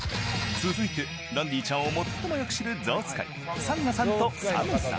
続いて、ランディちゃんを最もよく知るゾウ使い、サンガさんとサムさん。